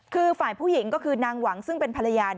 คือฝ่ายผู้หญิงก็คือนางหวังซึ่งเป็นภรรยา